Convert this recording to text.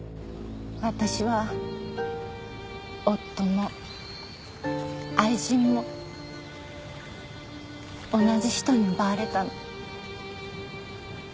私は夫も愛人も同じ人に奪われたの。